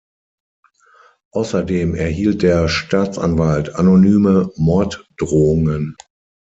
Außerdem erhielt der Staatsanwalt anonyme Morddrohungen.